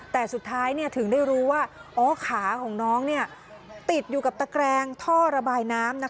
แต่สุดท้ายถึงได้รู้ว่าอ๋อขาของน้องติดอยู่กับตะแกรงท่อระบายน้ำ